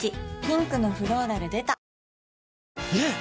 ピンクのフローラル出たねえ‼